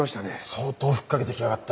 相当吹っかけてきやがった。